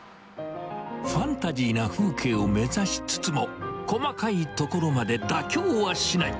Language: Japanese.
ファンタジーな風景を目指しつつも、細かいところまで妥協はしない。